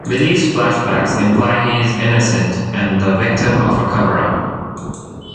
Billy's flashbacks imply he is innocent and the victim of a cover-up.